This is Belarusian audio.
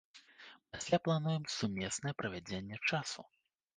Пасля плануем сумеснае правядзенне часу.